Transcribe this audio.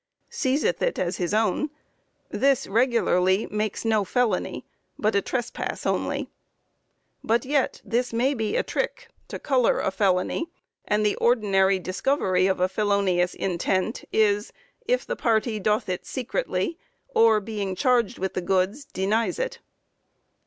seizeth it as his own ... this regularly makes no felony, but a trespass only; but yet this may be a trick to colour a felony, and the ordinary discovery of a felonious intent is, if the party doth it secretly, or being charged with the goods denies it."